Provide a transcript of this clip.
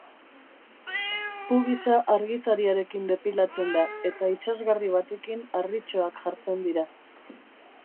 Pubisa argizariarekin depilatzen da eta itsasgarri batekin harritxoak jartzen dira.